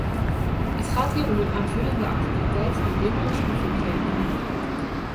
Het gaat hier om een aanvullende activiteit, die binnen onze bevoegdheden valt.